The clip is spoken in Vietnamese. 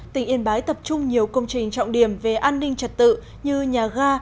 tỉnh yên bái tập trung nhiều công trình trọng điểm về an ninh trật tự như nhà ga